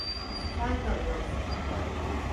Sen kalıyorsun.